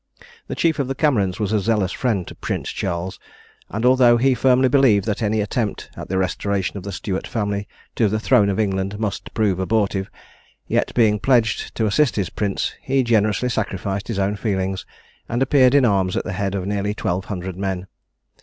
The chief of the Camerons was a zealous friend to Prince Charles; and although he firmly believed that any attempt at the restoration of the Stuart family to the throne of England must prove abortive, yet being pledged to assist his prince, he generously sacrificed his own feelings, and appeared in arms at the head of nearly twelve hundred men.